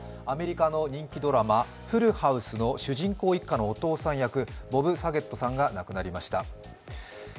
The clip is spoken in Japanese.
アメリカの人気ドラマ「フルハウス」の主人公一家のお父さん役ボブ・サゲットさんが亡くなりました。